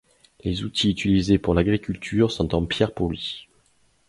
Les outils utilisés pour l'agriculture sont en pierre polie.